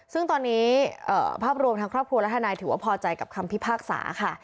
ซึ่งตอนนี้ภาพรวมทางครอบครัวและทนายถือว่าพอใจกับคำพิพากษาค่ะ